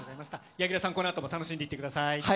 柳楽さん、この後も楽しんでいってください。